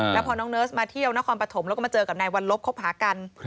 แล้วพอน้องเนิร์สมาเที่ยวนครปฐมแล้วก็มาเจอกับนายวัลลบคบหากัน